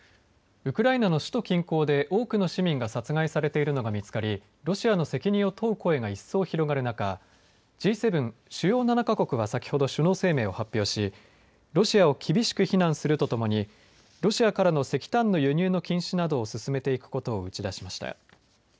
ウクライナの首都近郊で多くの市民が殺害されているのが見つかりロシアの責任を問う声が一層、広がる中Ｇ７、主要７か国は先ほど首脳声明を発表しロシアを厳しく非難するとともにロシアからの石炭の輸入の禁止などを進めていくことを打ち出しました。